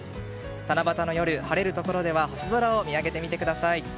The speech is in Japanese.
七夕の夜、晴れるところでは星空を見上げてみてください。